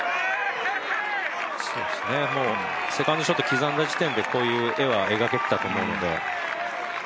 セカンドショット刻んだ時点でこういう絵は描けていたと思うので。